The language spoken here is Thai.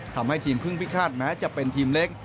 ทำให้ทีมพึ่งพิฆาตแม้จะเป็นทีมเล็ก